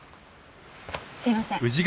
すいません。